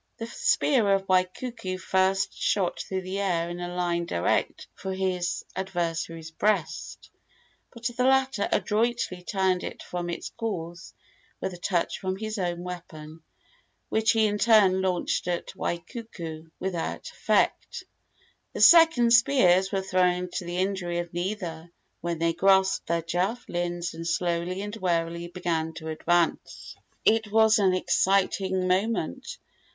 The spear of Waikuku first shot through the air in a line direct for his adversary's breast; but the latter adroitly turned it from its course with a touch from his own weapon, which he in turn launched at Waikuku without effect. The second spears were thrown to the injury of neither, when they grasped their javelins and slowly and warily began to advance. It was an exciting moment.